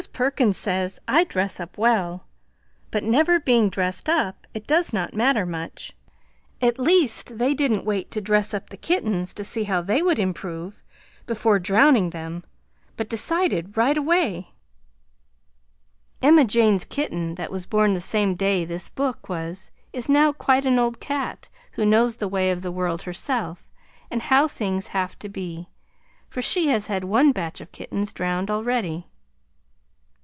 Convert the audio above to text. Perkins says I dress up well, but never being dressed up it does not matter much. At least they didn't wait to dress up the kittens to see how they would improve, before drowning them, but decided right away. Emma Jane's kitten that was born the same day this book was is now quite an old cat who knows the way of the world herself, and how things have to be, for she has had one batch of kittens drowned already.